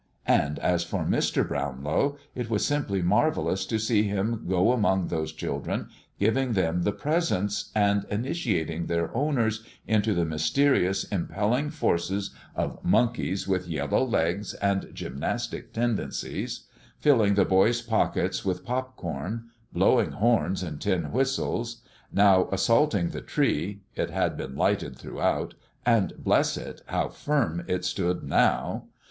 And as for Mr. Brownlow, it was simply marvelous to see him go among those children, giving them the presents, and initiating their owners into the mysterious impelling forces of monkeys with yellow legs and gymnastic tendencies; filling the boys' pockets with pop corn, blowing horns and tin whistles; now assaulting the tree (it had been lighted throughout, and bless it how firm it stood now!)